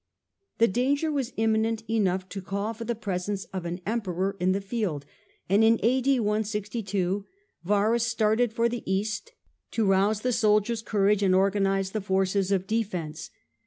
The danger was imminent enough to call for the presence of an Emperor in the field, and Verus started Verus for the East to rouse the soldiers' courage and thTilst organize the forces of defence.